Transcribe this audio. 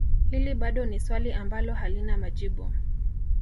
Hili bado ni swali ambalo halina majibu